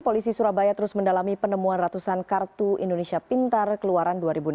polisi surabaya terus mendalami penemuan ratusan kartu indonesia pintar keluaran dua ribu delapan belas